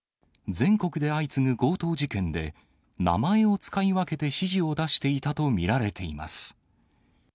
全国で相次ぐ強盗事件で名前を使い分けて指示を出していたと見られています。